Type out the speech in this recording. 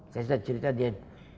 saya sudah cerita dia